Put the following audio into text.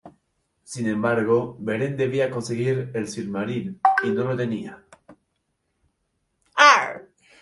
Sin embargo, Beren debía conseguir el Silmaril, y no lo tenía.